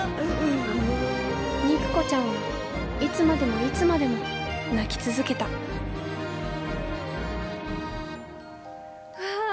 肉子ちゃんはいつまでもいつまでも泣き続けたわあ。